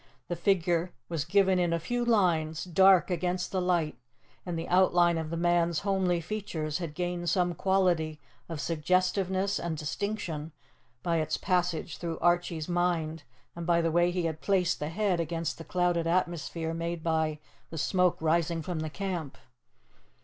The figure was given in a few lines, dark against the light, and the outline of the man's homely features had gained some quality of suggestiveness and distinction by its passage through Archie's mind, and by the way he had placed the head against the clouded atmosphere made by the smoke rising from the camp.